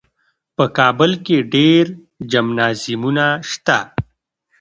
په کابل کې ډېر جمنازیمونه شته.